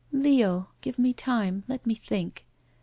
"Leo— give me time. Let me think."